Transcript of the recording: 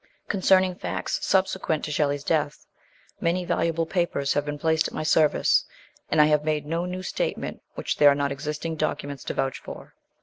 Concerning facts subsequent to Shelley's death, many valuable papers have been placed at my service, and I have made no new statement which there are not existing documents to vouch for.